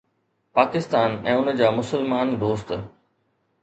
پاڪستان ۽ ان جا مسلمان دوست